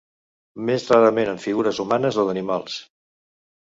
Més rarament amb figures humanes o d'animals.